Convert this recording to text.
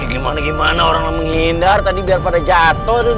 gimana gimana orang menghindar tadi biar pada jatoh diatas